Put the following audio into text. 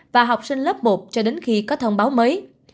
và học sinh lớp một cho đến khi có thông báo mới